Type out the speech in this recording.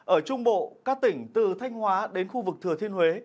ở trung bộ các tỉnh từ thanh hóa đến khu vực thừa thiên huế